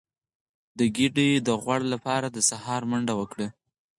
د ګیډې د غوړ لپاره د سهار منډه وکړئ